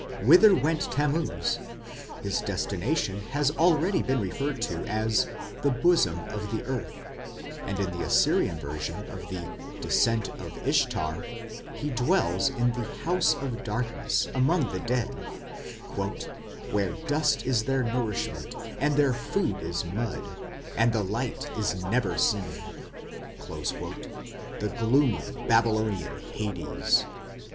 Whither went Tammuz? His destination has already been referred to as "the bosom of the earth", and in the Assyrian version of the "Descent of Ishtar" he dwells in "the house of darkness" among the dead, "where dust is their nourishment and their food mud", and "the light is never seen" the gloomy Babylonian Hades.